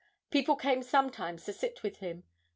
People came sometimes to sit with him.